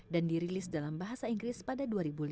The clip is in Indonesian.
dan dirilis dalam bahasa inggris pada dua ribu lima belas